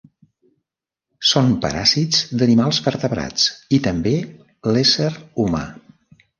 Són paràsits d'animals vertebrats, i també l'ésser humà.